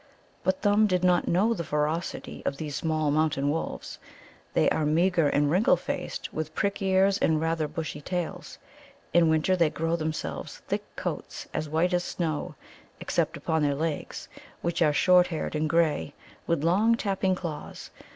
But Thumb did not know the ferocity of these small mountain wolves. They are meagre and wrinkle faced, with prick ears and rather bushy tails. In winter they grow themselves thick coats as white as snow, except upon their legs, which are short haired and grey, with long tapping claws.